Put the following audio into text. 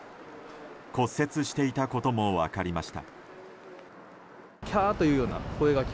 骨折していたことも分かりました。